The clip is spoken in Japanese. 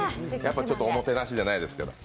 ちょっと、おもてなしじゃないですけど。